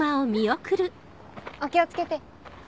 お気を付けて。